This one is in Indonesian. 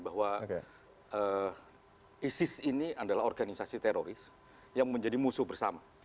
bahwa isis ini adalah organisasi teroris yang menjadi musuh bersama